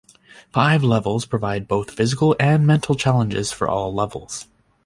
Five levels provide both physical and mental challenges for all levels.